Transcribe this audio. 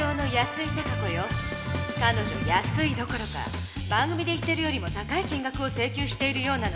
かのじょ安いどころか番組で言ってるよりも高い金額をせいきゅうしているようなの。